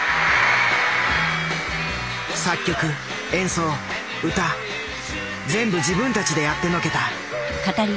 作曲演奏歌全部自分たちでやってのけた。